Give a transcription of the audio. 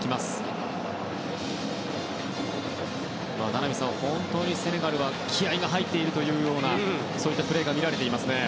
名波さん、本当にセネガルは気合が入っているというようなプレーが見られていますね。